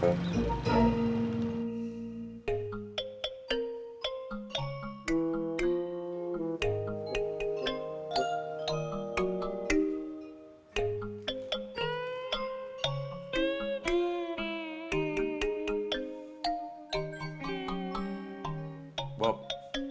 se enjoying your day